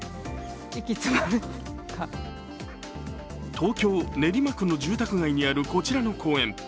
東京・練馬区の住宅街にあるこちらの公園。